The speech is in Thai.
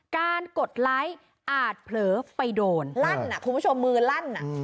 กดไลค์อาจเผลอไปโดนลั่นคุณผู้ชมมือลั่น